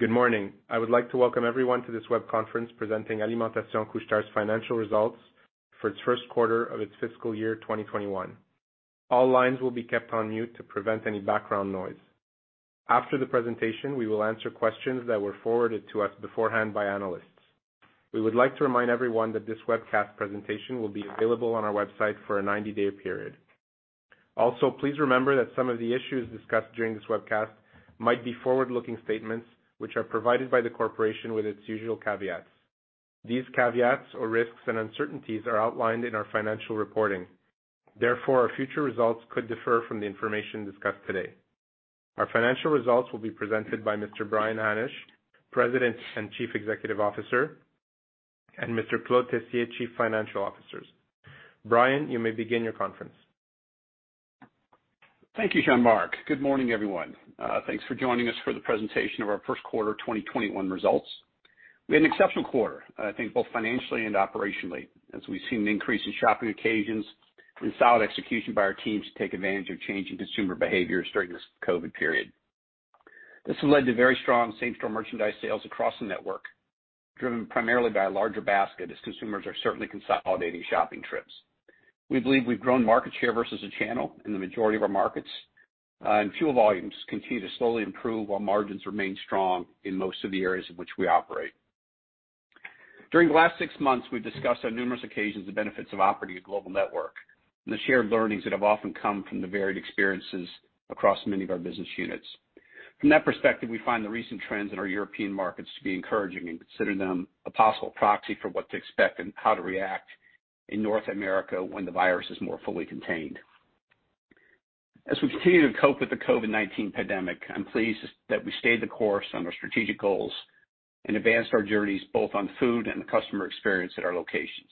Good morning. I would like to welcome everyone to this web conference presenting Alimentation Couche-Tard's financial results for its first quarter of its fiscal year 2021. All lines will be kept on mute to prevent any background noise. After the presentation, we will answer questions that were forwarded to us beforehand by analysts. We would like to remind everyone that this webcast presentation will be available on our website for a 90-day period. Also, please remember that some of the issues discussed during this webcast might be forward-looking statements which are provided by the corporation with its usual caveats. These caveats or risks and uncertainties are outlined in our financial reporting. Therefore, our future results could differ from the information discussed today. Our financial results will be presented by Mr. Brian Hannasch, President and Chief Executive Officer, and Mr. Claude Tessier, Chief Financial Officer. Brian, you may begin your conference. Thank you, Jean-Marc. Good morning, everyone. Thanks for joining us for the presentation of our first quarter 2021 results. We had an exceptional quarter, I think both financially and operationally, as we've seen an increase in shopping occasions and solid execution by our teams to take advantage of changing consumer behaviors during this COVID-19 period. This has led to very strong same-store merchandise sales across the network, driven primarily by a larger basket as consumers are certainly consolidating shopping trips. We believe we've grown market share versus a channel in the majority of our markets. Fuel volumes continue to slowly improve while margins remain strong in most of the areas in which we operate. During the last six months, we've discussed on numerous occasions the benefits of operating a global network and the shared learnings that have often come from the varied experiences across many of our business units. From that perspective, we find the recent trends in our European markets to be encouraging and consider them a possible proxy for what to expect and how to react in North America when the virus is more fully contained. As we continue to cope with the COVID-19 pandemic, I'm pleased that we stayed the course on our strategic goals and advanced our journeys both on food and the customer experience at our locations.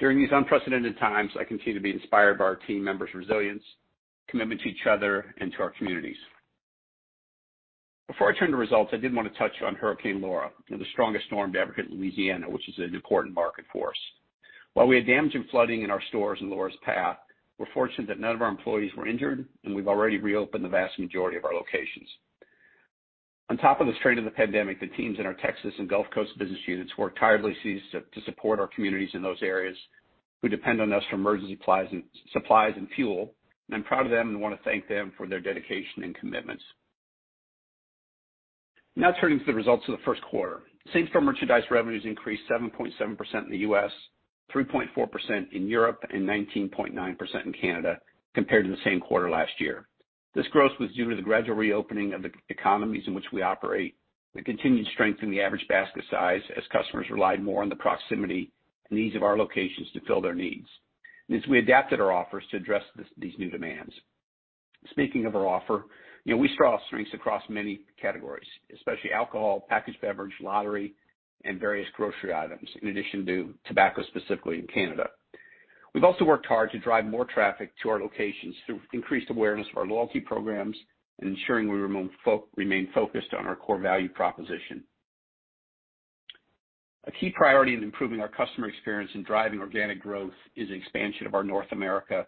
During these unprecedented times, I continue to be inspired by our team members' resilience, commitment to each other, and to our communities. Before I turn to results, I did want to touch on Hurricane Laura, the strongest storm to ever hit Louisiana, which is an important market for us. While we had damage and flooding in our stores in Laura's path, we're fortunate that none of our employees were injured, and we've already reopened the vast majority of our locations. On top of the strain of the pandemic, the teams in our Texas and Gulf Coast business units worked tirelessly to support our communities in those areas who depend on us for emergency supplies and fuel, and I'm proud of them and want to thank them for their dedication and commitments. Turning to the results of the first quarter. Same-store merchandise revenues increased 7.7% in the U.S., 3.4% in Europe, and 19.9% in Canada compared to the same quarter last year. This growth was due to the gradual reopening of the economies in which we operate, the continued strength in the average basket size as customers relied more on the proximity and ease of our locations to fill their needs. As we adapted our offers to address these new demands. Speaking of our offer, we saw strengths across many categories, especially alcohol, packaged beverage, lottery, and various grocery items, in addition to tobacco, specifically in Canada. We've also worked hard to drive more traffic to our locations through increased awareness of our loyalty programs and ensuring we remain focused on our core value proposition. A key priority in improving our customer experience and driving organic growth is the expansion of our North America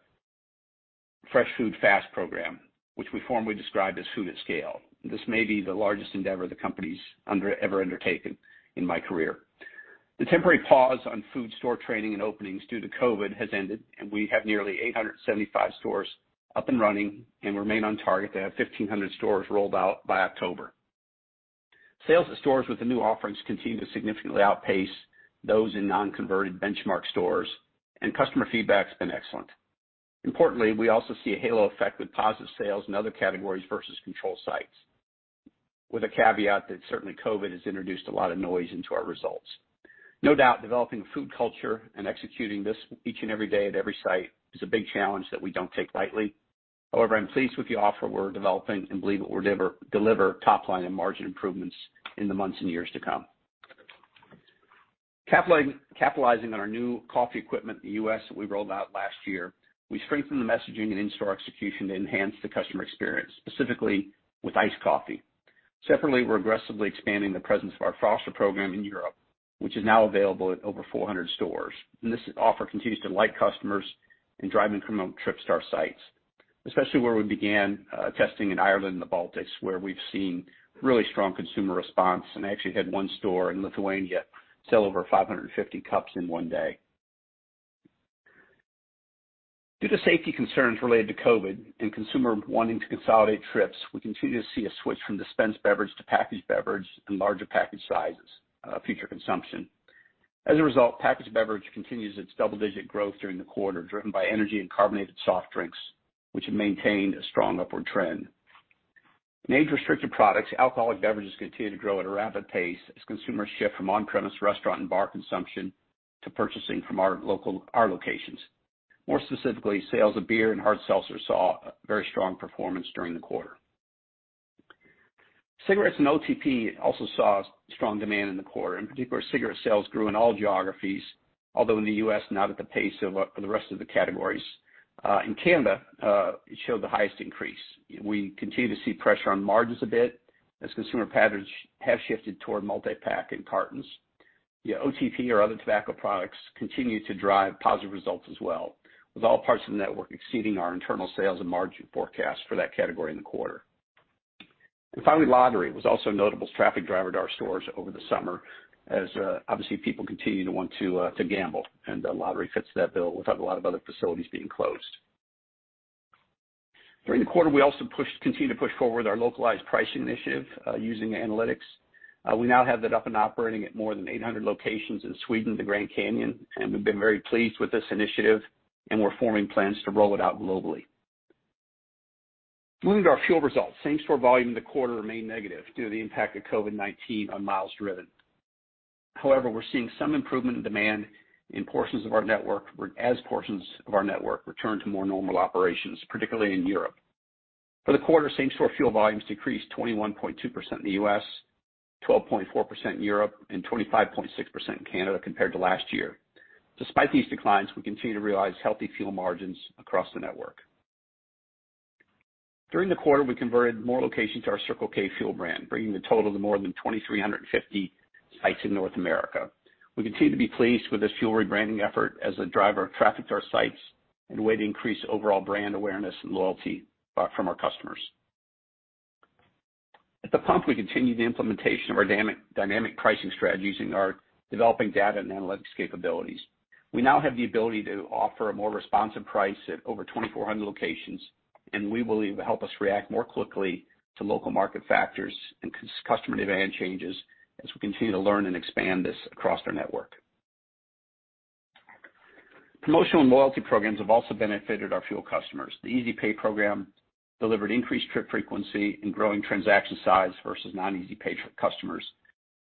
Fresh Food Fast program, which we formerly described as Food at Scale. This may be the largest endeavor the company's ever undertaken in my career. The temporary pause on food store training and openings due to COVID has ended, and we have nearly 875 stores up and running and remain on target to have 1,500 stores rolled out by October. Sales at stores with the new offerings continue to significantly outpace those in non-converted benchmark stores, and customer feedback's been excellent. Importantly, we also see a halo effect with positive sales in other categories versus control sites, with a caveat that certainly COVID has introduced a lot of noise into our results. No doubt, developing a food culture and executing this each and every day at every site is a big challenge that we don't take lightly. However, I'm pleased with the offer we're developing and believe it will deliver top-line and margin improvements in the months and years to come. Capitalizing on our new coffee equipment in the U.S. that we rolled out last year, we strengthened the messaging and in-store execution to enhance the customer experience, specifically with iced coffee. Separately, we're aggressively expanding the presence of our Froster program in Europe, which is now available at over 400 stores. This offer continues to delight customers and drive incremental trips to our sites, especially where we began testing in Ireland and the Baltics, where we've seen really strong consumer response, and actually had one store in Lithuania sell over 550 cups in one day. Due to safety concerns related to COVID-19 and consumer wanting to consolidate trips, we continue to see a switch from dispensed beverage to packaged beverage and larger package sizes, future consumption. As a result, packaged beverage continues its double-digit growth during the quarter, driven by energy and carbonated soft drinks, which have maintained a strong upward trend. In age-restricted products, alcoholic beverages continue to grow at a rapid pace as consumers shift from on-premise restaurant and bar consumption to purchasing from our locations. More specifically, sales of beer and hard seltzer saw a very strong performance during the quarter. Cigarettes and OTP also saw strong demand in the quarter. In particular, cigarette sales grew in all geographies, although in the U.S., not at the pace of the rest of the categories. In Canada, it showed the highest increase. We continue to see pressure on margins a bit as consumer patterns have shifted toward multi-pack and cartons. Yeah, OTP or other tobacco products continue to drive positive results as well, with all parts of the network exceeding our internal sales and margin forecast for that category in the quarter. Finally, lottery was also a notable traffic driver to our stores over the summer as, obviously, people continue to want to gamble, and lottery fits that bill with a lot of other facilities being closed. During the quarter, we also continued to push forward our localized pricing initiative using analytics. We now have that up and operating at more than 800 locations in Sweden, the Grand Canyon, and we've been very pleased with this initiative, and we're forming plans to roll it out globally. Moving to our fuel results. Same-store volume in the quarter remained negative due to the impact of COVID-19 on miles driven. We're seeing some improvement in demand as portions of our network return to more normal operations, particularly in Europe. For the quarter, same-store fuel volumes decreased 21.2% in the U.S., 12.4% in Europe, and 25.6% in Canada compared to last year. Despite these declines, we continue to realize healthy fuel margins across the network. During the quarter, we converted more locations to our Circle K fuel brand, bringing the total to more than 2,350 sites in North America. We continue to be pleased with this fuel rebranding effort as a driver of traffic to our sites and a way to increase overall brand awareness and loyalty from our customers. At the pump, we continued the implementation of our dynamic pricing strategy using our developing data and analytics capabilities. We now have the ability to offer a more responsive price at over 2,400 locations, and we believe will help us react more quickly to local market factors and customer demand changes as we continue to learn and expand this across our network. Promotional and loyalty programs have also benefited our fuel customers. The Easy Pay program delivered increased trip frequency and growing transaction size versus non-Easy Pay customers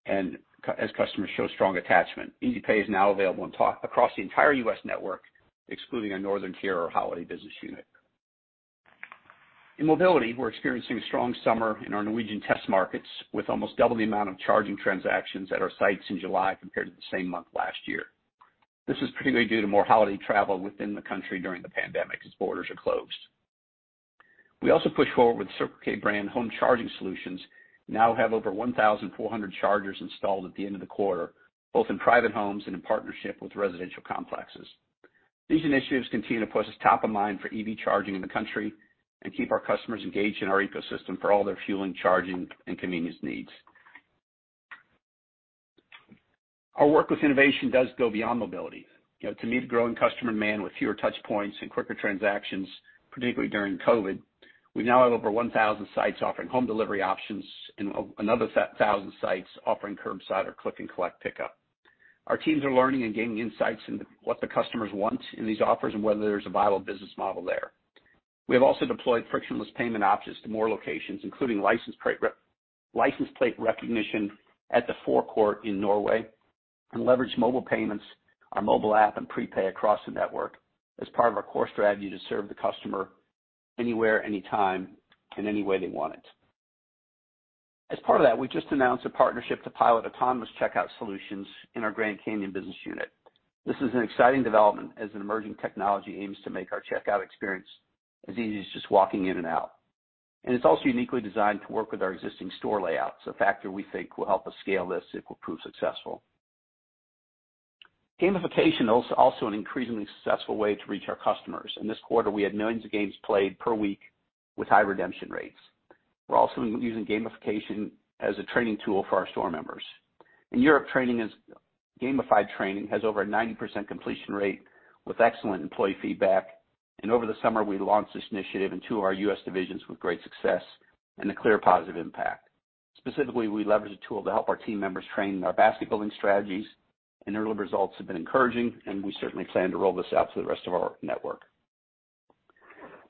and as customers show strong attachment. Easy Pay is now available across the entire U.S. network, excluding our Northern Tier or Holiday business unit. In mobility, we're experiencing a strong summer in our Norwegian test markets, with almost double the amount of charging transactions at our sites in July compared to the same month last year. This is particularly due to more holiday travel within the country during the pandemic, as borders are closed. We also pushed forward with Circle K brand home charging solutions, now have over 1,400 chargers installed at the end of the quarter, both in private homes and in partnership with residential complexes. These initiatives continue to put us top of mind for EV charging in the country and keep our customers engaged in our ecosystem for all their fueling, charging, and convenience needs. Our work with innovation does go beyond mobility. To meet the growing customer demand with fewer touch points and quicker transactions, particularly during COVID, we now have over 1,000 sites offering home delivery options and another 1,000 sites offering curbside or click and collect pickup. Our teams are learning and gaining insights into what the customers want in these offers and whether there's a viable business model there. We have also deployed frictionless payment options to more locations, including license plate recognition at the forecourt in Norway, and leverage mobile payments, our mobile app, and prepay across the network as part of our core strategy to serve the customer anywhere, anytime, in any way they want it. As part of that, we just announced a partnership to pilot autonomous checkout solutions in our Grand Canyon business unit. This is an exciting development, as an emerging technology aims to make our checkout experience as easy as just walking in and out. It's also uniquely designed to work with our existing store layouts, a factor we think will help us scale this if it will prove successful. Gamification is also an increasingly successful way to reach our customers, and this quarter we had millions of games played per week with high redemption rates. We're also using gamification as a training tool for our store members. In Europe, gamified training has over a 90% completion rate with excellent employee feedback, and over the summer, we launched this initiative in two of our U.S. divisions with great success and a clear positive impact. Specifically, we leveraged a tool to help our team members train our basket building strategies, and early results have been encouraging, and we certainly plan to roll this out to the rest of our network.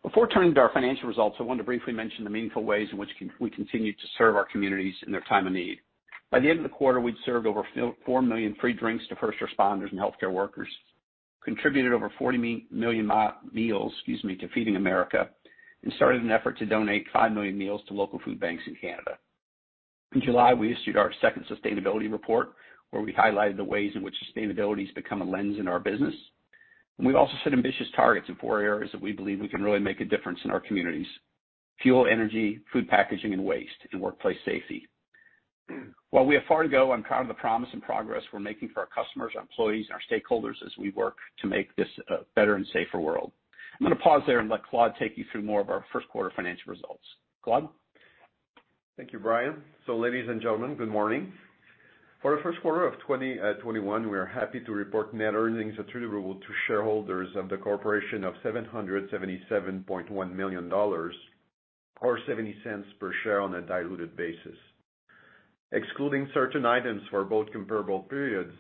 Before turning to our financial results, I wanted to briefly mention the meaningful ways in which we continue to serve our communities in their time of need. By the end of the quarter, we'd served over four million free drinks to first responders and healthcare workers, contributed over 40 million meals to Feeding America, and started an effort to donate five million meals to local food banks in Canada. In July, we issued our second sustainability report, where we highlighted the ways in which sustainability has become a lens in our business. We've also set ambitious targets in four areas that we believe we can really make a difference in our communities: fuel, energy, food packaging and waste, and workplace safety. While we have far to go, I'm proud of the promise and progress we're making for our customers, our employees, and our stakeholders as we work to make this a better and safer world. I'm going to pause there and let Claude take you through more of our first quarter financial results. Claude? Thank you, Brian. Ladies and gentlemen, good morning. For the first quarter of 2021, we are happy to report net earnings attributable to shareholders of the corporation of $777.1 million, or $0.70 per share on a diluted basis. Excluding certain items for both comparable periods,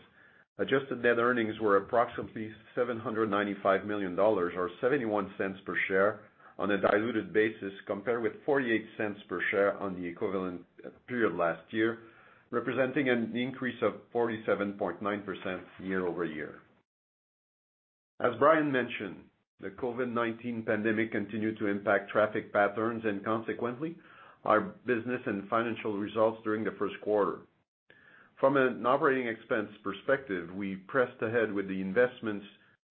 adjusted net earnings were approximately $795 million or $0.71 per share on a diluted basis, compared with $0.48 per share on the equivalent period last year, representing an increase of 47.9% year-over-year. As Brian mentioned, the COVID-19 pandemic continued to impact traffic patterns and consequently our business and financial results during the first quarter. From an operating expense perspective, we pressed ahead with the investments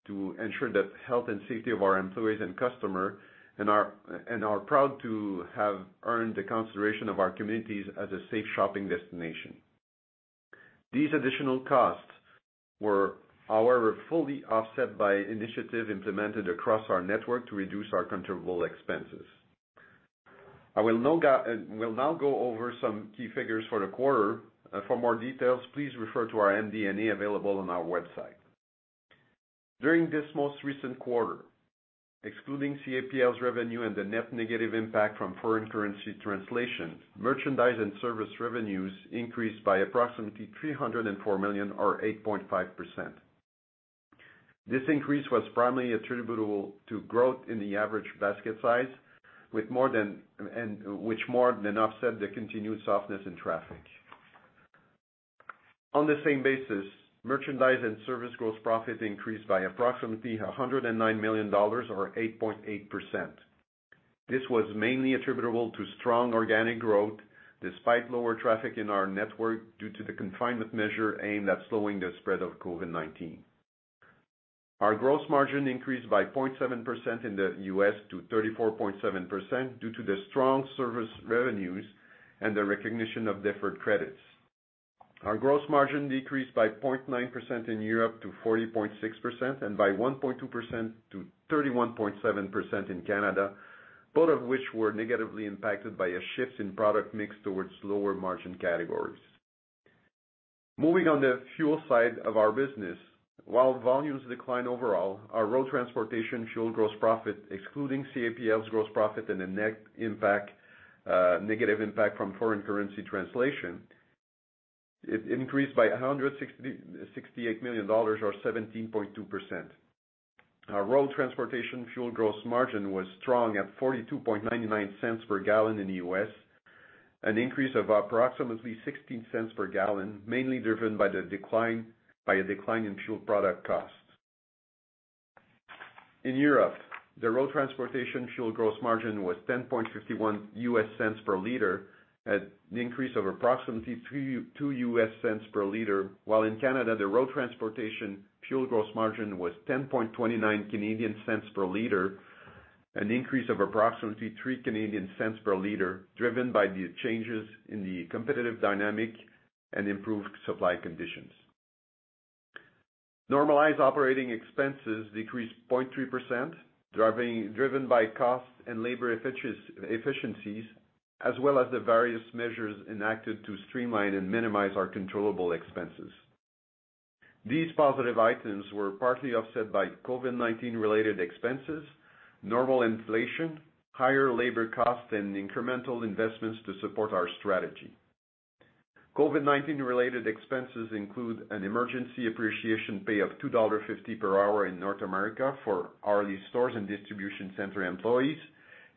to ensure the health and safety of our employees and customer, and are proud to have earned the consideration of our communities as a safe shopping destination. These additional costs were, however, fully offset by initiatives implemented across our network to reduce our controllable expenses. I will now go over some key figures for the quarter. For more details, please refer to our MD&A available on our website. During this most recent quarter, excluding CAPL's revenue and the net negative impact from foreign currency translation, merchandise and service revenues increased by approximately 304 million or 8.5%. This increase was primarily attributable to growth in the average basket size, which more than offset the continued softness in traffic. On the same basis, merchandise and service gross profit increased by approximately 109 million dollars or 8.8%. This was mainly attributable to strong organic growth despite lower traffic in our network due to the confinement measure aimed at slowing the spread of COVID-19. Our gross margin increased by 0.7% in the U.S. to 34.7% due to the strong service revenues and the recognition of deferred credits. Our gross margin decreased by 0.9% in Europe to 40.6% and by 1.2% to 31.7% in Canada, both of which were negatively impacted by a shift in product mix towards lower margin categories. Moving on the fuel side of our business, while volumes declined overall, our road transportation fuel gross profit, excluding CAPL's gross profit and the net negative impact from foreign currency translation, it increased by 168 million dollars or 17.2%. Our road transportation fuel gross margin was strong at $0.4299 per gallon in the U.S., an increase of approximately $0.16 per gallon, mainly driven by a decline in fuel product costs. In Europe, the road transportation fuel gross margin was 0.1051 per liter at the increase of approximately 0.02 per liter, while in Canada, the road transportation fuel gross margin was 0.1029 per liter, an increase of approximately 0.03 per liter, driven by the changes in the competitive dynamic and improved supply conditions. Normalized operating expenses decreased 0.3%, driven by cost and labor efficiencies as well as the various measures enacted to streamline and minimize our controllable expenses. These positive items were partly offset by COVID-19 related expenses, normal inflation, higher labor costs, and incremental investments to support our strategy. COVID-19 related expenses include an emergency appreciation pay of 2.50 dollars per hour in North America for hourly stores and distribution center employees,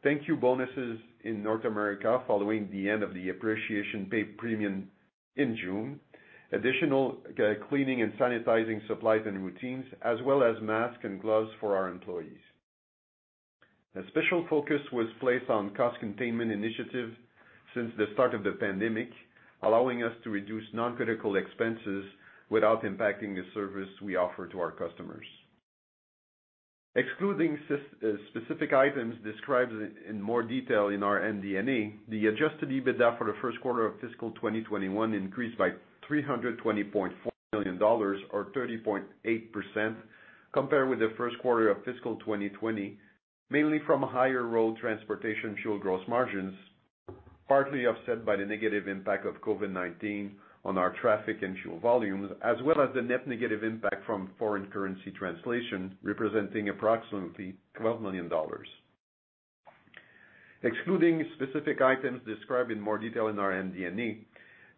thank you bonuses in North America following the end of the appreciation pay premium in June, additional cleaning and sanitizing supplies and routines, as well as masks and gloves for our employees. A special focus was placed on cost containment initiatives since the start of the pandemic, allowing us to reduce non-critical expenses without impacting the service we offer to our customers. Excluding specific items described in more detail in our MD&A, the adjusted EBITDA for the first quarter of fiscal 2021 increased by $320.4 million or 30.8% compared with the first quarter of fiscal 2020, mainly from higher road transportation fuel gross margins, partly offset by the negative impact of COVID-19 on our traffic and fuel volumes, as well as the net negative impact from foreign currency translation, representing approximately $12 million. Excluding specific items described in more detail in our MD&A,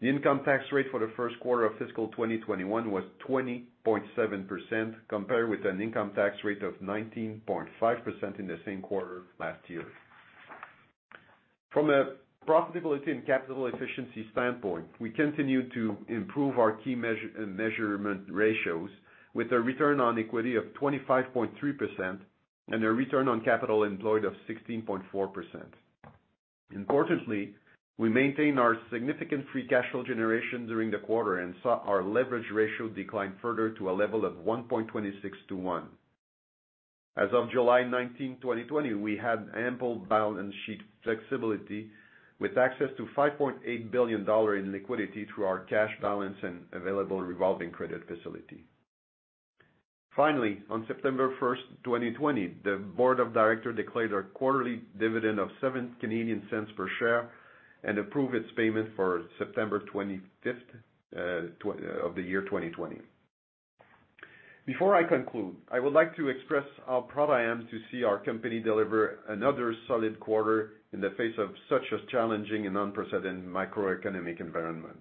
the income tax rate for the first quarter of fiscal 2021 was 20.7%, compared with an income tax rate of 19.5% in the same quarter last year. From a profitability and capital efficiency standpoint, we continue to improve our key measurement ratios with a return on equity of 25.3% and a return on capital employed of 16.4%. Importantly, we maintained our significant free cash flow generation during the quarter and saw our leverage ratio decline further to a level of 1.26 to 1. As of July 19th, 2020, we had ample balance sheet flexibility with access to 5.8 billion dollar in liquidity through our cash balance and available revolving credit facility. Finally, on September 1st, 2020, the board of directors declared a quarterly dividend of 0.07 per share and approved its payment for September 25th of the year 2020. Before I conclude, I would like to express how proud I am to see our company deliver another solid quarter in the face of such a challenging and unprecedented macroeconomic environment.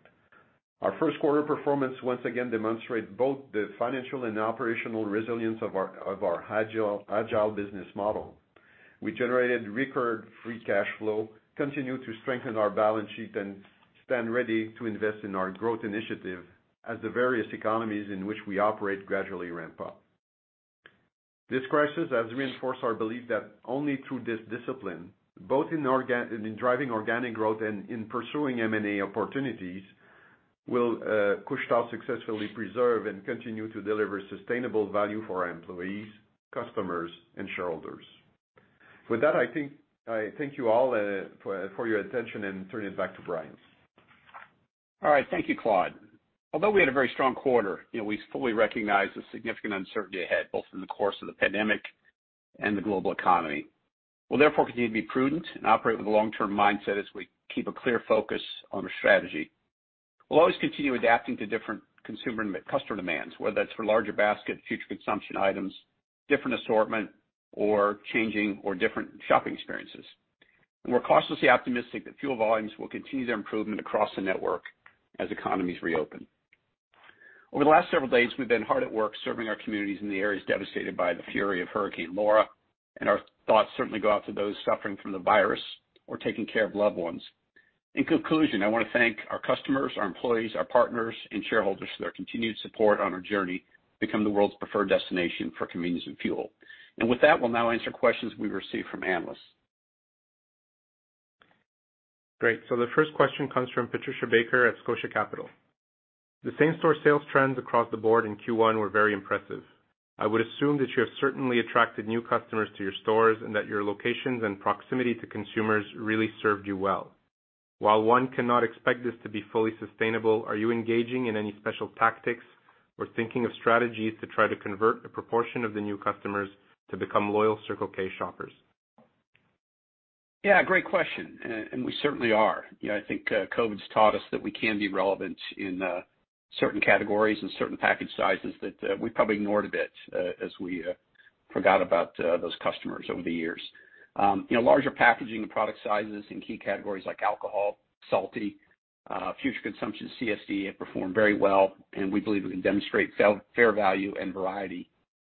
Our first quarter performance once again demonstrate both the financial and operational resilience of our agile business model, which generated record free cash flow, continued to strengthen our balance sheet, and stand ready to invest in our growth initiative as the various economies in which we operate gradually ramp up. This crisis has reinforced our belief that only through this discipline, both in driving organic growth and in pursuing M&A opportunities. Will Couche-Tard successfully preserve and continue to deliver sustainable value for our employees, customers, and shareholders? With that, I thank you all for your attention and turn it back to Brian. All right. Thank you, Claude. Although we had a very strong quarter, we fully recognize the significant uncertainty ahead, both in the course of the pandemic and the global economy. We'll therefore continue to be prudent and operate with a long-term mindset as we keep a clear focus on our strategy. We'll always continue adapting to different consumer and customer demands, whether that's for larger basket, future consumption items, different assortment, or changing or different shopping experiences. We're cautiously optimistic that fuel volumes will continue their improvement across the network as economies reopen. Over the last several days, we've been hard at work serving our communities in the areas devastated by the fury of Hurricane Laura, and our thoughts certainly go out to those suffering from the virus or taking care of loved ones. In conclusion, I want to thank our customers, our employees, our partners, and shareholders for their continued support on our journey to become the world's preferred destination for convenience and fuel. With that, we'll now answer questions we received from analysts. Great. The first question comes from Patricia Baker at Scotiabank. The same-store sales trends across the board in Q1 were very impressive. I would assume that you have certainly attracted new customers to your stores, and that your locations and proximity to consumers really served you well. While one cannot expect this to be fully sustainable, are you engaging in any special tactics or thinking of strategies to try to convert a proportion of the new customers to become loyal Circle K shoppers? Yeah, great question. We certainly are. I think COVID's taught us that we can be relevant in certain categories and certain package sizes that we probably ignored a bit, as we forgot about those customers over the years. Larger packaging and product sizes in key categories like alcohol, salty, future consumption CSD have performed very well, and we believe we can demonstrate fair value and variety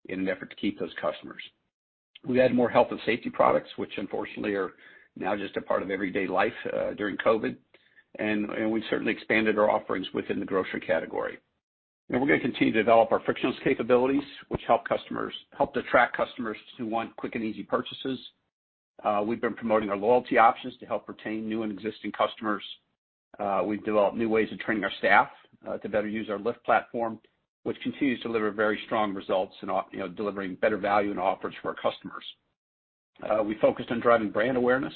in an effort to keep those customers. We've added more health and safety products, which unfortunately are now just a part of everyday life during COVID. We've certainly expanded our offerings within the grocery category. We're going to continue to develop our frictionless capabilities, which help to attract customers who want quick and easy purchases. We've been promoting our loyalty options to help retain new and existing customers. We've developed new ways of training our staff to better use our Lift platform, which continues to deliver very strong results in delivering better value and offers for our customers. We focused on driving brand awareness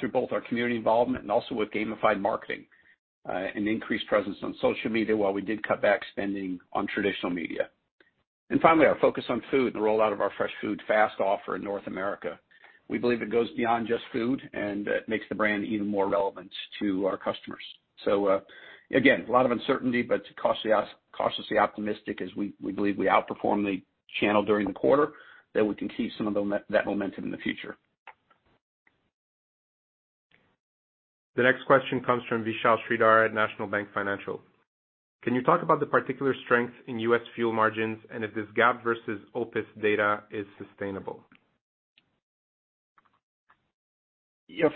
through both our community involvement and also with gamified marketing, and increased presence on social media while we did cut back spending on traditional media. Finally, our focus on food and the rollout of our Fresh Food Fast offer in North America. We believe it goes beyond just food and makes the brand even more relevant to our customers. Again, a lot of uncertainty, but cautiously optimistic as we believe we outperformed the channel during the quarter, that we can keep some of that momentum in the future. The next question comes from Vishal Shreedhar at National Bank Financial. Can you talk about the particular strength in U.S. fuel margins and if this gap versus OPIS data is sustainable?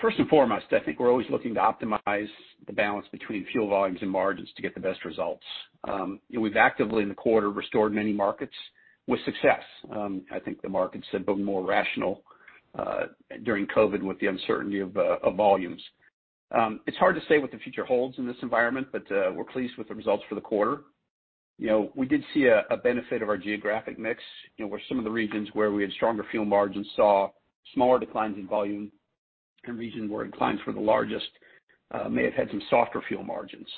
First and foremost, I think we're always looking to optimize the balance between fuel volumes and margins to get the best results. We've actively, in the quarter, restored many markets with success. I think the markets have been more rational during COVID-19 with the uncertainty of volumes. It's hard to say what the future holds in this environment, but we're pleased with the results for the quarter. We did see a benefit of our geographic mix, where some of the regions where we had stronger fuel margins saw smaller declines in volume, and regions where declines were the largest may have had some softer fuel margins.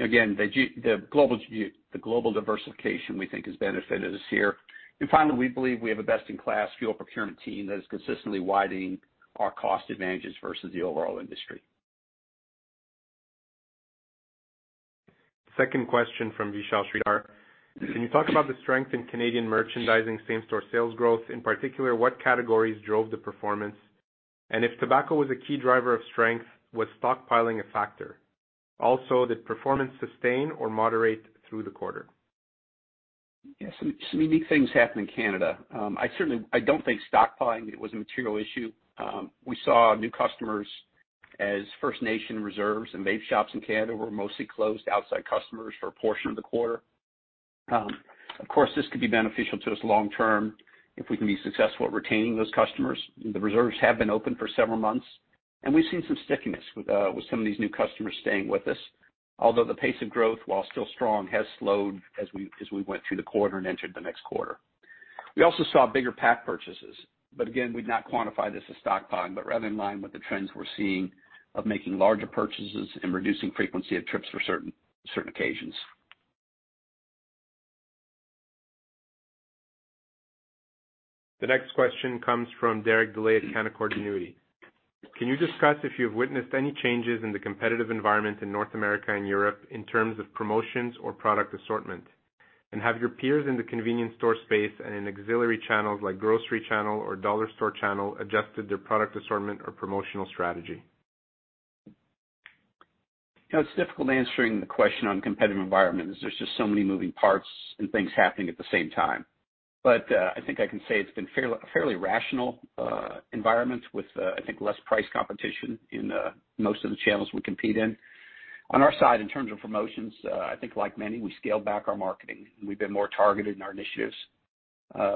Again, the global diversification we think has benefited us here. Finally, we believe we have a best-in-class fuel procurement team that is consistently widening our cost advantages versus the overall industry. Second question from Vishal Shreedhar. Can you talk about the strength in Canadian merchandising same-store sales growth? In particular, what categories drove the performance? If tobacco was a key driver of strength, was stockpiling a factor? Also, did performance sustain or moderate through the quarter? Yeah. Some unique things happened in Canada. I don't think stockpiling was a material issue. We saw new customers as First Nation reserves and vape shops in Canada were mostly closed to outside customers for a portion of the quarter. Of course, this could be beneficial to us long-term if we can be successful at retaining those customers. The reserves have been open for several months, and we've seen some stickiness with some of these new customers staying with us. Although the pace of growth, while still strong, has slowed as we went through the quarter and entered the next quarter. We also saw bigger pack purchases. Again, we'd not quantify this as stockpiling, but rather in line with the trends we're seeing of making larger purchases and reducing frequency of trips for certain occasions. The next question comes from Derek Dlley at Canaccord Genuity. Can you discuss if you've witnessed any changes in the competitive environment in North America and Europe in terms of promotions or product assortment? Have your peers in the convenience store space and in auxiliary channels like grocery channel or dollar store channel adjusted their product assortment or promotional strategy? It's difficult answering the question on competitive environment, as there's just so many moving parts and things happening at the same time. I think I can say it's been a fairly rational environment with, I think, less price competition in most of the channels we compete in. On our side, in terms of promotions, I think like many, we scaled back our marketing, and we've been more targeted in our initiatives.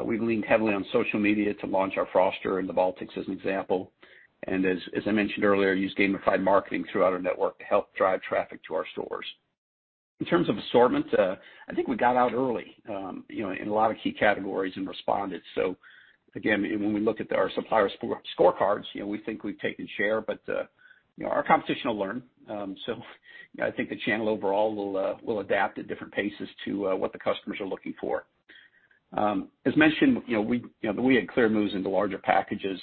We leaned heavily on social media to launch our Froster in the Baltics, as an example. As I mentioned earlier, used gamified marketing throughout our network to help drive traffic to our stores. In terms of assortment, I think we got out early in a lot of key categories and responded. Again, when we look at our supplier scorecards, we think we've taken share, but our competition will learn. I think the channel overall will adapt at different paces to what the customers are looking for. As mentioned, we had clear moves into larger packages,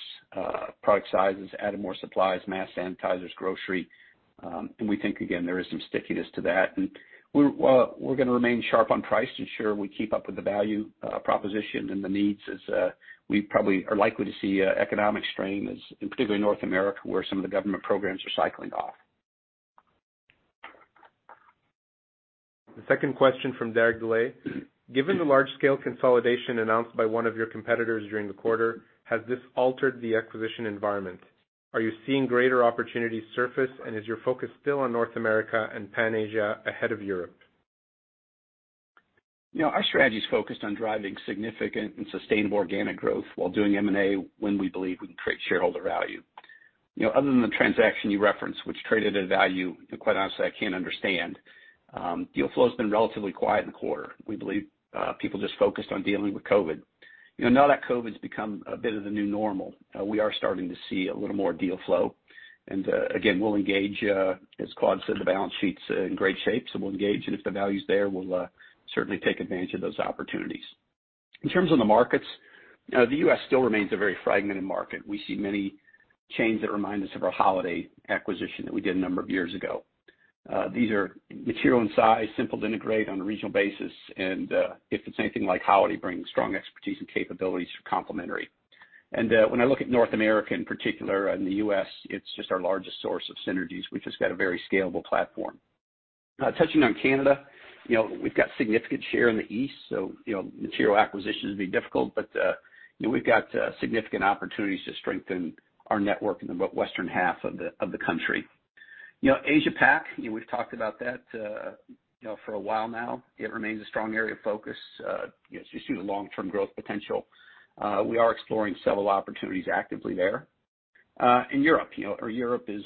product sizes, added more supplies, mask sanitizers, grocery. We think, again, there is some stickiness to that. We're going to remain sharp on price to ensure we keep up with the value proposition and the needs as we probably are likely to see economic strain, in particularly North America, where some of the government programs are cycling off. The second question from Derek Dillard. Given the large-scale consolidation announced by one of your competitors during the quarter, has this altered the acquisition environment? Are you seeing greater opportunities surface, and is your focus still on North America and Pan Asia ahead of Europe? Our strategy is focused on driving significant and sustainable organic growth while doing M&A when we believe we can create shareholder value. Other than the transaction you referenced, which traded at a value, quite honestly, I can't understand. Deal flow has been relatively quiet in the quarter. We believe people just focused on dealing with COVID. Now that COVID's become a bit of the new normal, we are starting to see a little more deal flow. Again, we'll engage. As Claude said, the balance sheet's in great shape, we'll engage, if the value's there, we'll certainly take advantage of those opportunities. In terms of the markets, the U.S. still remains a very fragmented market. We see many chains that remind us of our Holiday acquisition that we did a number of years ago. These are material in size, simple to integrate on a regional basis, and if it's anything like Holiday, bring strong expertise and capabilities for complementary. When I look at North America in particular and the U.S., it's just our largest source of synergies. We've just got a very scalable platform. Touching on Canada, we've got significant share in the east, so material acquisitions would be difficult, but we've got significant opportunities to strengthen our network in the western half of the country. Asia Pac, we've talked about that for a while now. It remains a strong area of focus. You see the long-term growth potential. We are exploring several opportunities actively there. Europe. Europe is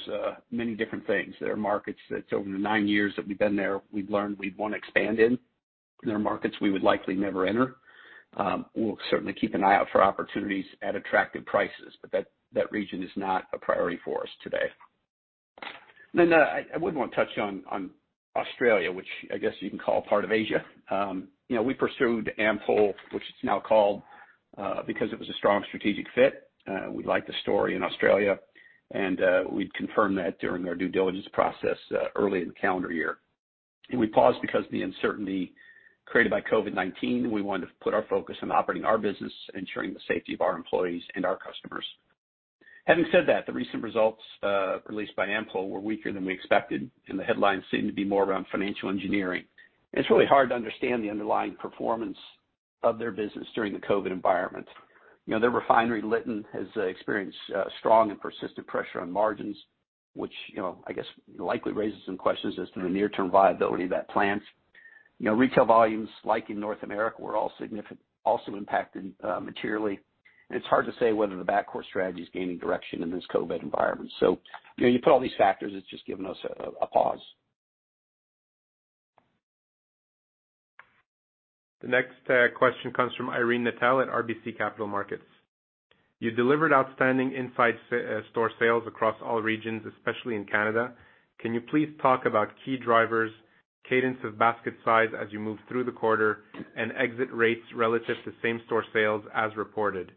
many different things. There are markets that over the nine years that we've been there, we've learned we want to expand in. There are markets we would likely never enter. We'll certainly keep an eye out for opportunities at attractive prices, but that region is not a priority for us today. I would want to touch on Australia, which I guess you can call part of Asia. We pursued Ampol, which it's now called, because it was a strong strategic fit. We liked the story in Australia, and we'd confirmed that during our due diligence process early in the calendar year. We paused because of the uncertainty created by COVID-19, and we wanted to put our focus on operating our business, ensuring the safety of our employees and our customers. Having said that, the recent results released by Ampol were weaker than we expected, and the headlines seem to be more around financial engineering. It's really hard to understand the underlying performance of their business during the COVID environment. Their refinery, Lytton, has experienced strong and persistent pressure on margins, which I guess likely raises some questions as to the near-term viability of that plant. Retail volumes, like in North America, were also impacted materially. It's hard to say whether the backcourt strategy is gaining direction in this COVID-19 environment. You put all these factors, it's just given us a pause. The next question comes from Irene Nattel at RBC Capital Markets. You delivered outstanding inside store sales across all regions, especially in Canada. Can you please talk about key drivers, cadence of basket size as you move through the quarter, and exit rates relative to same store sales as reported?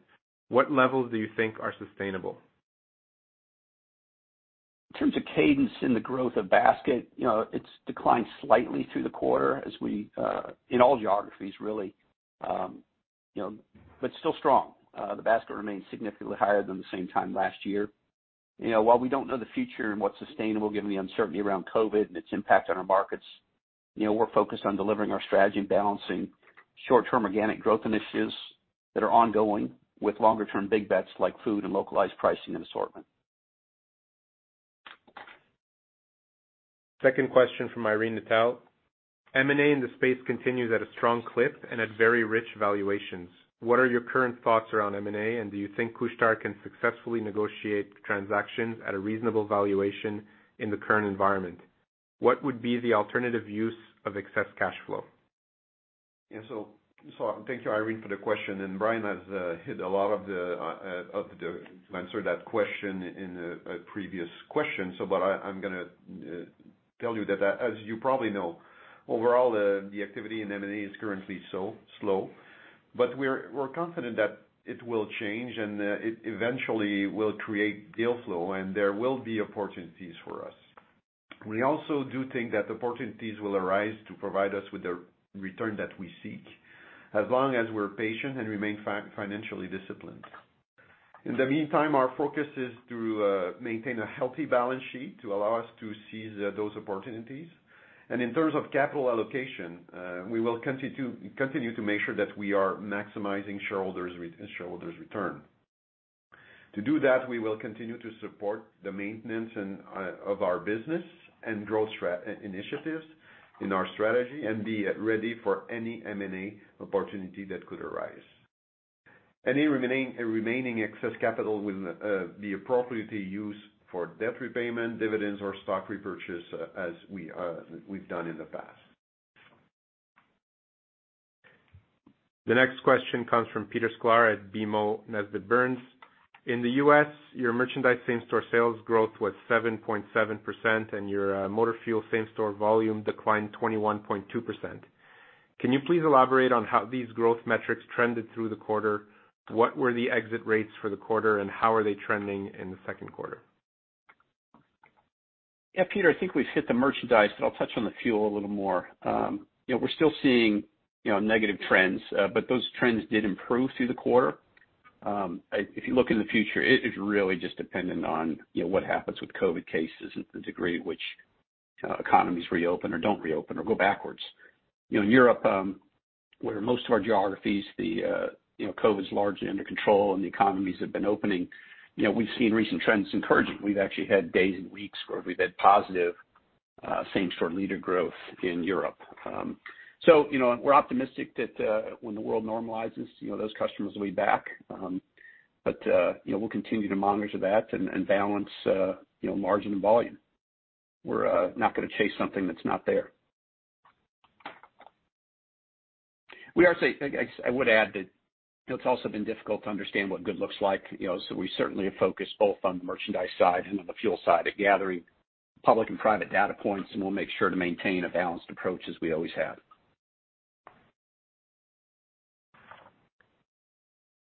What levels do you think are sustainable? In terms of cadence in the growth of basket, it's declined slightly through the quarter in all geographies, really. Still strong. The basket remains significantly higher than the same time last year. While we don't know the future and what's sustainable given the uncertainty around COVID and its impact on our markets, we're focused on delivering our strategy and balancing short-term organic growth initiatives that are ongoing with longer-term big bets like food and localized pricing and assortment. Second question from Irene Nattel. M&A in the space continues at a strong clip and at very rich valuations. What are your current thoughts around M&A, and do you think Couche-Tard can successfully negotiate transactions at a reasonable valuation in the current environment? What would be the alternative use of excess cash flow? Thank you, Irene, for the question, and Brian has hit a lot to answer that question in a previous question. I'm going to tell you that as you probably know, overall, the activity in M&A is currently slow. We're confident that it will change, and it eventually will create deal flow, and there will be opportunities for us. We also do think that opportunities will arise to provide us with the return that we seek, as long as we're patient and remain financially disciplined. In the meantime, our focus is to maintain a healthy balance sheet to allow us to seize those opportunities. In terms of capital allocation, we will continue to make sure that we are maximizing shareholders' return. To do that, we will continue to support the maintenance of our business and growth initiatives in our strategy and be ready for any M&A opportunity that could arise. Any remaining excess capital will be appropriately used for debt repayment, dividends, or stock repurchase as we've done in the past. The next question comes from Peter Sklar at BMO Nesbitt Burns. In the U.S., your merchandise same-store sales growth was 7.7%, and your motor fuel same-store volume declined 21.2%. Can you please elaborate on how these growth metrics trended through the quarter? What were the exit rates for the quarter, and how are they trending in the second quarter? Yeah, Peter, I think we've hit the merchandise. I'll touch on the fuel a little more. We're still seeing negative trends. Those trends did improve through the quarter. If you look in the future, it is really just dependent on what happens with COVID cases and the degree to which economies reopen or don't reopen or go backwards. In Europe, where in most of our geographies, COVID's largely under control and the economies have been opening, we've seen recent trends encouraging. We've actually had days and weeks where we've had positive same-store liter growth in Europe. We're optimistic that when the world normalizes, those customers will be back. We'll continue to monitor that and balance margin and volume. We're not going to chase something that's not there. I would add that it's also been difficult to understand what good looks like. We certainly have focused both on the merchandise side and on the fuel side of gathering public and private data points, and we'll make sure to maintain a balanced approach as we always have.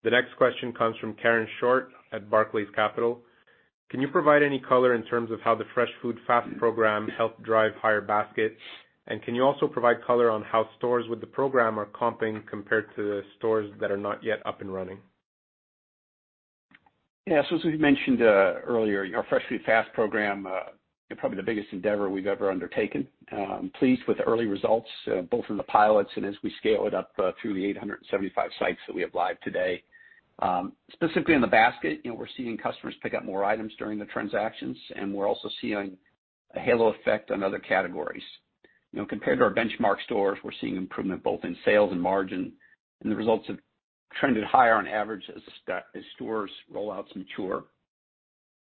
The next question comes from Karen Short at Barclays Capital. Can you provide any color in terms of how the Fresh Food Fast program helped drive higher basket? Can you also provide color on how stores with the program are comping compared to the stores that are not yet up and running? As we mentioned earlier, our Fresh Food Fast program, probably the biggest endeavor we've ever undertaken. I'm pleased with the early results, both from the pilots and as we scale it up through the 875 sites that we have live today. Specifically, on the basket, we're seeing customers pick up more items during the transactions, and we're also seeing a halo effect on other categories. Compared to our benchmark stores, we're seeing improvement both in sales and margin, and the results have trended higher on average as stores' rollouts mature.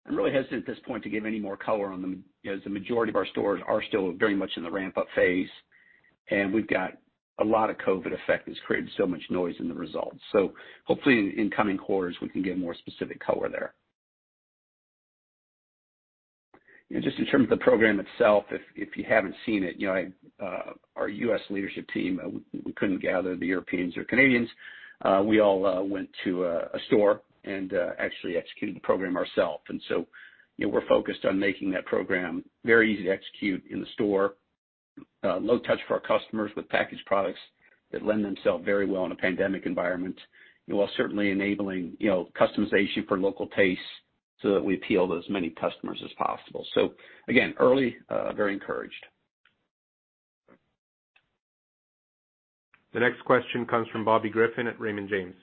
I'm really hesitant at this point to give any more color on them, as the majority of our stores are still very much in the ramp-up phase, and we've got a lot of COVID effect that's created so much noise in the results. Hopefully in the incoming quarters, we can give more specific color there. Just in terms of the program itself, if you haven't seen it, our U.S. leadership team, we couldn't gather the Europeans or Canadians. We all went to a store and actually executed the program ourself. We're focused on making that program very easy to execute in the store, low touch for our customers with packaged products that lend themselves very well in a pandemic environment, while certainly enabling customization for local tastes so that we appeal to as many customers as possible. Again, early, very encouraged. The next question comes from Bobby Griffin at Raymond James.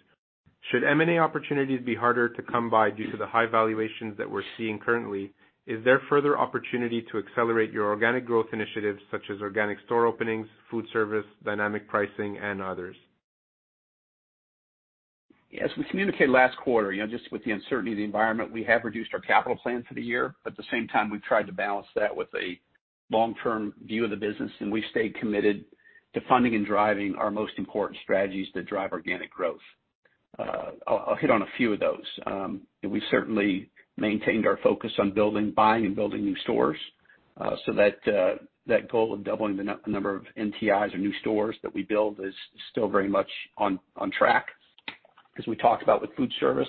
Should M&A opportunities be harder to come by due to the high valuations that we're seeing currently? Is there further opportunity to accelerate your organic growth initiatives such as organic store openings, food service, dynamic pricing, and others? As we communicated last quarter, just with the uncertainty of the environment, we have reduced our capital plan for the year. At the same time, we've tried to balance that with a long-term view of the business. We stay committed to funding and driving our most important strategies that drive organic growth. I'll hit on a few of those. We've certainly maintained our focus on buying and building new stores. That goal of doubling the number of NTIs or new stores that we build is still very much on track. As we talked about with foodservice,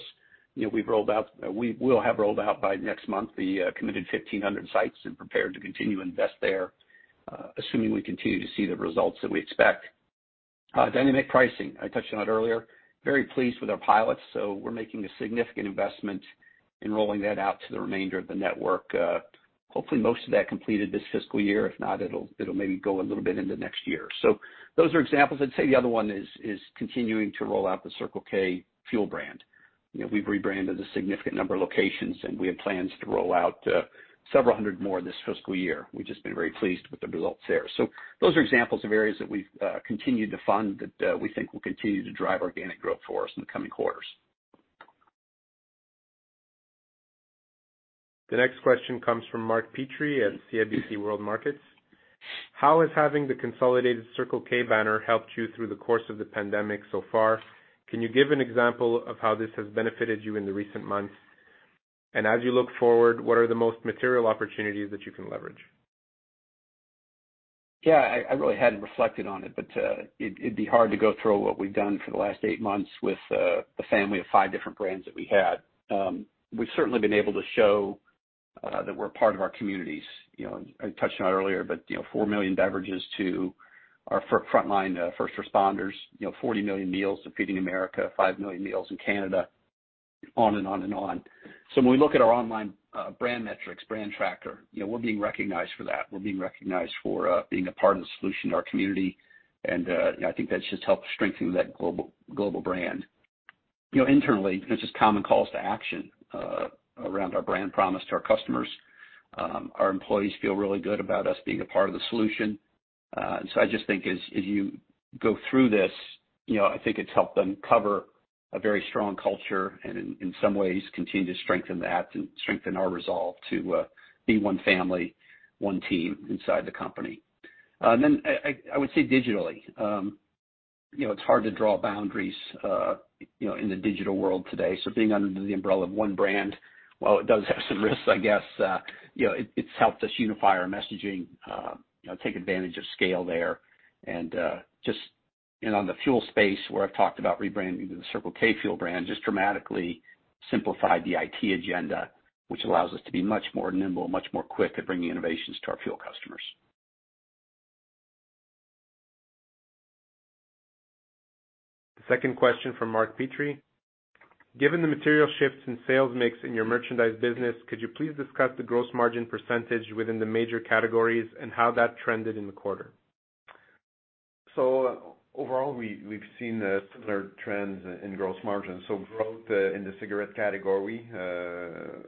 we will have rolled out by next month the committed 1,500 sites and prepared to continue to invest there, assuming we continue to see the results that we expect. Dynamic pricing, I touched on that earlier. Very pleased with our pilots, we're making a significant investment in rolling that out to the remainder of the network. Hopefully, most of that completed this fiscal year. If not, it'll maybe go a little bit into next year. Those are examples. I'd say the other one is continuing to roll out the Circle K fuel brand. We've rebranded a significant number of locations, and we have plans to roll out several hundred more this fiscal year. We've just been very pleased with the results there. Those are examples of areas that we've continued to fund that we think will continue to drive organic growth for us in the coming quarters. The next question comes from Mark Petrie at CIBC Capital Markets. How has having the consolidated Circle K banner helped you through the course of the pandemic so far? Can you give an example of how this has benefited you in the recent months? As you look forward, what are the most material opportunities that you can leverage? I really hadn't reflected on it, but it'd be hard to go through what we've done for the last eight months with the family of five different brands that we had. We've certainly been able to show that we're part of our communities. I touched on it earlier, 4 million beverages to our frontline first responders, 40 million meals to Feeding America, 5 million meals in Canada, on and on and on. When we look at our online brand metrics, brand tracker, we're being recognized for that. We're being recognized for being a part of the solution in our community, I think that's just helped strengthen that global brand. Internally, there's just common calls to action around our brand promise to our customers. Our employees feel really good about us being a part of the solution. I just think as you go through this, I think it's helped uncover a very strong culture and in some ways continue to strengthen that, strengthen our resolve to be one family, one team inside the company. I would say digitally. It's hard to draw boundaries in the digital world today. Being under the umbrella of one brand, while it does have some risks, I guess, it's helped us unify our messaging, take advantage of scale there and just on the fuel space where I've talked about rebranding the Circle K fuel brand, just dramatically simplified the IT agenda, which allows us to be much more nimble, much more quick at bringing innovations to our fuel customers. Second question from Mark Petrie: Given the material shifts in sales mix in your merchandise business, could you please discuss the gross margin % within the major categories and how that trended in the quarter? Overall, we've seen similar trends in gross margins. Growth in the cigarette category,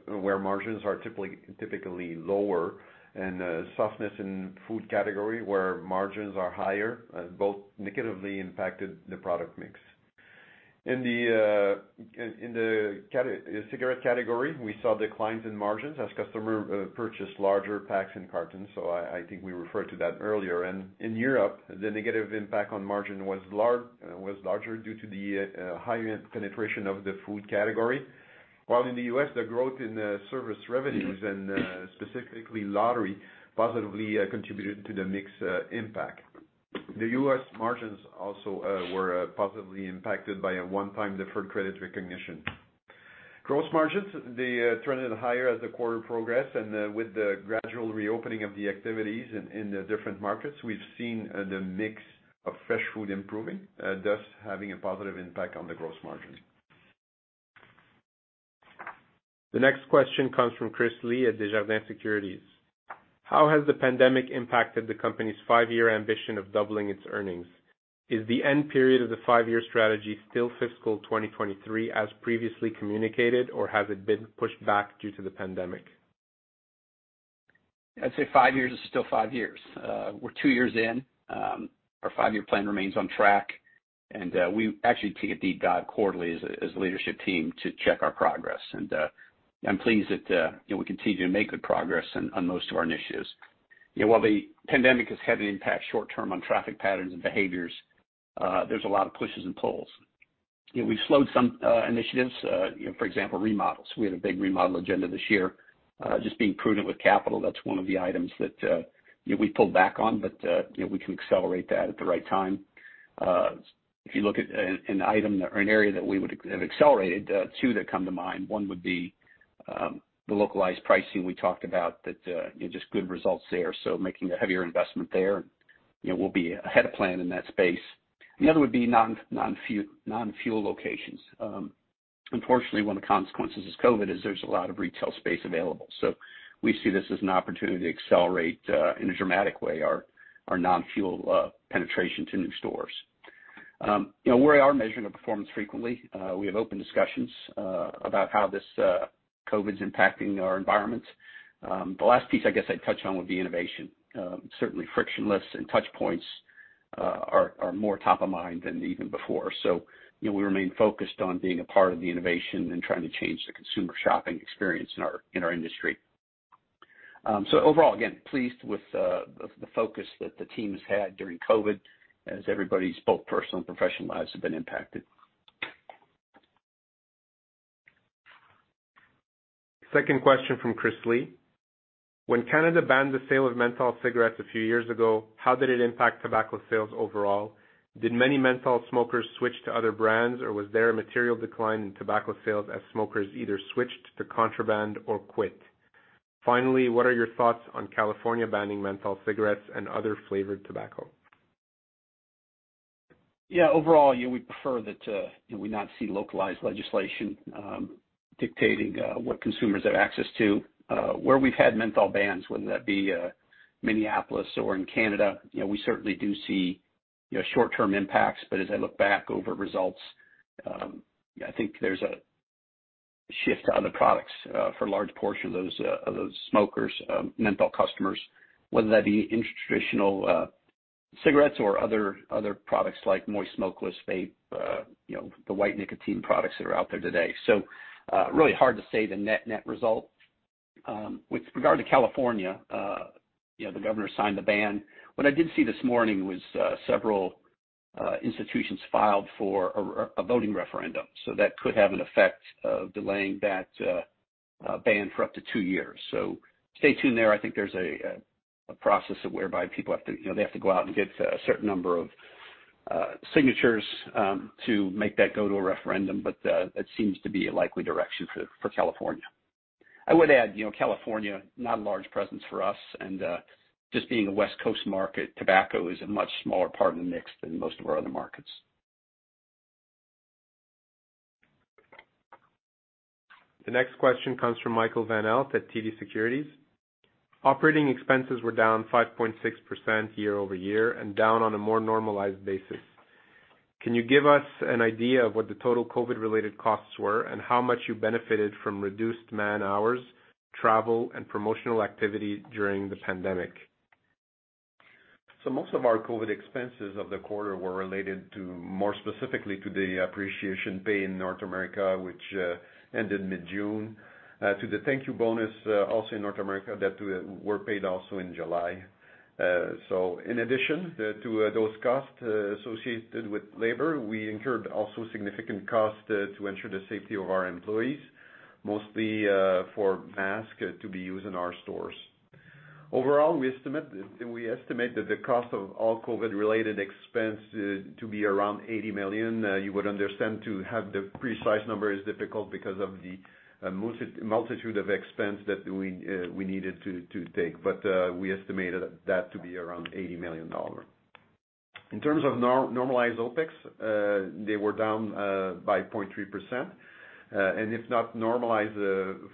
where margins are typically lower, and softness in food category, where margins are higher, both negatively impacted the product mix. In the cigarette category, we saw declines in margins as customer purchased larger packs and cartons, so I think we referred to that earlier. In Europe, the negative impact on margin was larger due to the higher penetration of the food category. While in the U.S., the growth in service revenues and specifically lottery positively contributed to the mix impact. The U.S. margins also were positively impacted by a one-time deferred credit recognition. Gross margins, they trended higher as the quarter progressed, and with the gradual reopening of the activities in the different markets, we've seen the mix of fresh food improving, thus having a positive impact on the gross margin. The next question comes from Chris Li at Desjardins Securities Inc. How has the pandemic impacted the company's five-year ambition of doubling its earnings? Is the end period of the five-year strategy still fiscal 2023 as previously communicated, or has it been pushed back due to the pandemic? I'd say five years is still five years. We're two years in. Our five-year plan remains on track. We actually take a deep dive quarterly as a leadership team to check our progress. I'm pleased that we continue to make good progress on most of our initiatives. While the pandemic has had an impact short term on traffic patterns and behaviors, there's a lot of pushes and pulls. We've slowed some initiatives, for example, remodels. We had a big remodel agenda this year. Just being prudent with capital, that's one of the items that we pulled back on. We can accelerate that at the right time. If you look at an item or an area that we would have accelerated, two that come to mind. One would be the localized pricing we talked about that, just good results there. Making a heavier investment there, we'll be ahead of plan in that space. The other would be non-fuel locations. Unfortunately, one of the consequences of COVID is there's a lot of retail space available. We see this as an opportunity to accelerate, in a dramatic way, our non-fuel penetration to new stores. We are measuring the performance frequently. We have open discussions about how this COVID's impacting our environment. The last piece I guess I'd touch on would be innovation. Certainly frictionless and touch points are more top of mind than even before. We remain focused on being a part of the innovation and trying to change the consumer shopping experience in our industry. Overall, again, pleased with the focus that the team has had during COVID, as everybody's both personal and professional lives have been impacted. Second question from Christopher Li. When Canada banned the sale of menthol cigarettes a few years ago, how did it impact tobacco sales overall? Did many menthol smokers switch to other brands, or was there a material decline in tobacco sales as smokers either switched to contraband or quit? What are your thoughts on California banning menthol cigarettes and other flavored tobacco? Yeah, overall, we prefer that we not see localized legislation dictating what consumers have access to. Where we've had menthol bans, whether that be Minneapolis or in Canada, we certainly do see short-term impacts, but as I look back over results, I think there's a shift to other products for a large portion of those smokers, menthol customers, whether that be in traditional cigarettes or other products like moist smokeless vape, the white nicotine products that are out there today. Really hard to say the net result. With regard to California, the governor signed the ban. What I did see this morning was several institutions filed for a voting referendum. That could have an effect of delaying that ban for up to two years. Stay tuned there. I think there's a process whereby people have to go out and get a certain number of signatures to make that go to a referendum. That seems to be a likely direction for California. I would add, California, not a large presence for us, and just being a West Coast market, tobacco is a much smaller part of the mix than most of our other markets. The next question comes from Michael Van Aelst at TD Securities. Operating expenses were down 5.6% year-over-year and down on a more normalized basis. Can you give us an idea of what the total COVID-related costs were and how much you benefited from reduced man-hours, travel, and promotional activity during the pandemic? Most of our COVID expenses of the quarter were related more specifically to the appreciation pay in North America, which ended mid-June, to the thank you bonus, also in North America, that were paid also in July. In addition to those costs associated with labor, we incurred also significant costs to ensure the safety of our employees, mostly for masks to be used in our stores. Overall, we estimate that the cost of all COVID-related expense to be around 80 million. You would understand to have the precise number is difficult because of the multitude of expense that we needed to take. We estimated that to be around 80 million dollars. In terms of normalized OpEx, they were down by 0.3%. If not normalized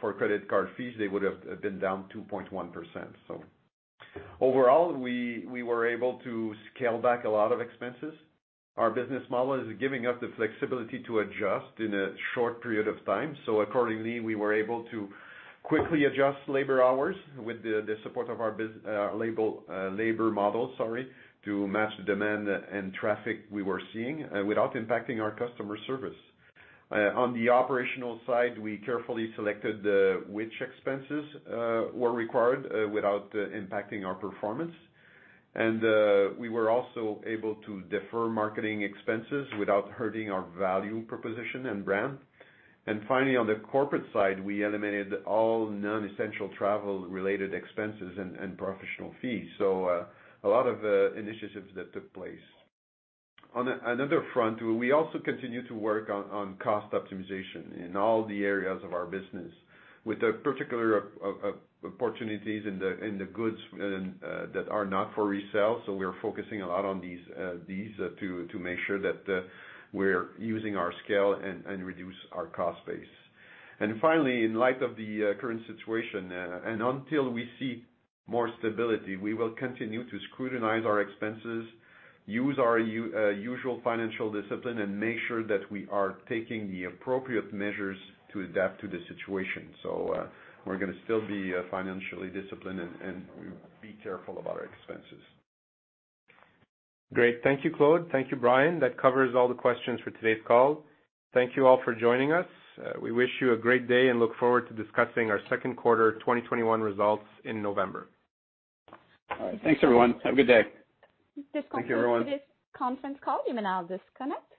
for credit card fees, they would've been down 2.1%. Overall, we were able to scale back a lot of expenses. Our business model is giving us the flexibility to adjust in a short period of time. Accordingly, we were able to quickly adjust labor hours with the support of our labor model, sorry, to match the demand and traffic we were seeing without impacting our customer service. On the operational side, we carefully selected which expenses were required without impacting our performance. We were also able to defer marketing expenses without hurting our value proposition and brand. Finally, on the corporate side, we eliminated all non-essential travel-related expenses and professional fees. A lot of initiatives that took place. On another front, we also continue to work on cost optimization in all the areas of our business with a particular opportunity in the goods that are not for resale. We are focusing a lot on these to make sure that we're using our scale and reduce our cost base. Finally, in light of the current situation, and until we see more stability, we will continue to scrutinize our expenses, use our usual financial discipline, and make sure that we are taking the appropriate measures to adapt to the situation. We're gonna still be financially disciplined and be careful about our expenses. Great. Thank you, Claude. Thank you, Brian. That covers all the questions for today's call. Thank you all for joining us. We wish you a great day and look forward to discussing our second quarter 2021 results in November. All right. Thanks, everyone. Have a good day. Thank you, everyone. This concludes today's conference call. You may now disconnect.